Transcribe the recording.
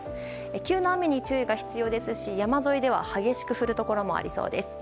急な雨に注意が必要ですし山沿いでは激しく降るところもありそうです。